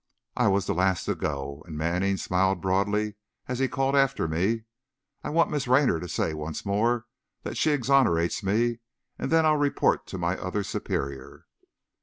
I was the last to go, and Manning smiled broadly as he called after me, "I want Miss Raynor to say once more that she exonerates me, and then I'll report to my other Superior!"